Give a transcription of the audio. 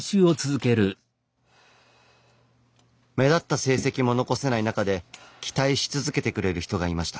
目立った成績も残せないなかで期待し続けてくれる人がいました。